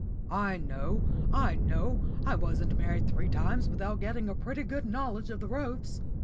"I know, I know. I wasn't married three times without getting a pretty good knowledge of the ropes.